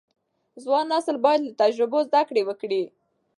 ځوان نسل باید له تجربو زده کړه وکړي.